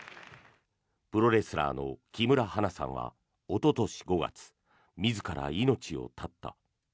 プロレスラーの木村花さんはおととし５月、自ら命を絶った。